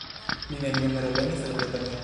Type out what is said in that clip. Li neniam revenis al Bretonio.